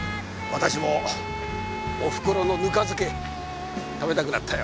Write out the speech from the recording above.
私もおふくろのぬか漬け食べたくなったよ。